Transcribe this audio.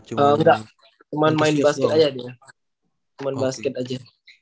enggak temen main basket aja dia temen basket aja